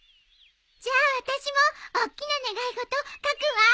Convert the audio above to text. じゃあ私もおっきな願い事書くわ。